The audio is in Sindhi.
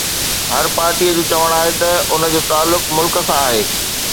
هر پارٽيءَ جو چوڻ آهي ته ان جو تعلق ملڪ سان آهي